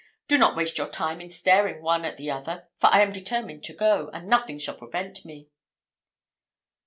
Do not waste your time in staring one at the other, for I am determined to go, and nothing shall prevent me."